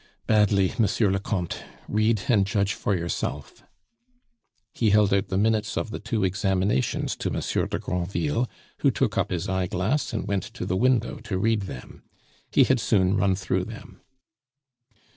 "Badly, Monsieur le Comte; read and judge for yourself." He held out the minutes of the two examinations to Monsieur de Granville, who took up his eyeglass and went to the window to read them. He had soon run through them.